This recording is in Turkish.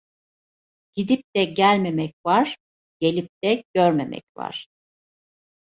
Gidip de gelmemek var, gelip de görmemek var.